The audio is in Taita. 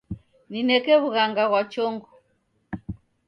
Nineke wughanga ghwa chongo.